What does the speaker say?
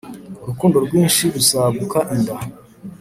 urukundo rwinshi rusaguka inda